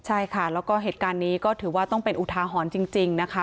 ใช่ค่ะแล้วก็เหตุการณ์นี้ก็ถือว่าต้องเป็นอุทาหรณ์จริงนะคะ